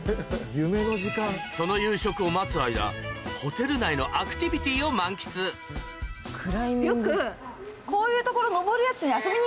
その夕食を待つ間ホテル内のアクティビティを満喫よく。